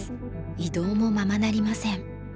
移動もままなりません。